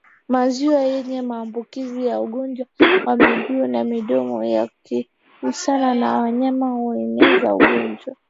Maziwa yenye maambukizi ya ugonjwa wa miguu na midomo yakigusana na wanyama hueneza ugonjwa